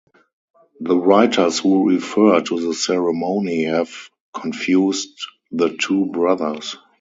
The writers who refer to the ceremony have confused the two brothers.